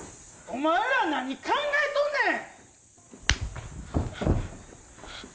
お前ら何考えとんねん！